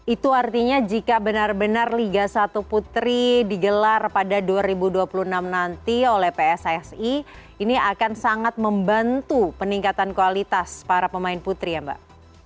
itu artinya jika benar benar liga satu putri digelar pada dua ribu dua puluh enam nanti oleh pssi ini akan sangat membantu peningkatan kualitas para pemain putri ya mbak